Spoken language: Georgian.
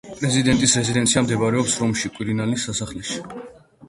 პრეზიდენტის რეზიდენცია მდებარეობს რომში, კვირინალის სასახლეში.